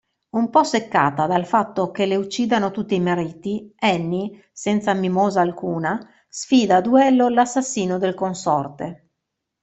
Un po' seccata dal fatto che le uccidano tutti i mariti Anne, senza mimosa alcuna, sfida a duello l'assassino del consorte.